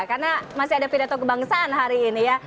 karena masih ada pidato kebangsaan hari ini ya